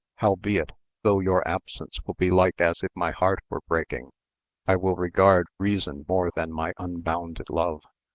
Howbeit, though your absence will be like as if my heart were breaking, I will regard reason more than my unbounded love.